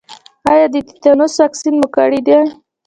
ایا د تیتانوس واکسین مو کړی دی؟